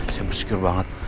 saya bersyukur banget